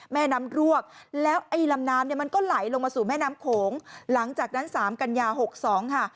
แม่น้ำรวกแล้วไอ้ลำน้ำเนี่ยมันก็ไหลลงมาสู่แม่น้ำโขงหลังจากนั้นสามกัญญาหกสองค่ะ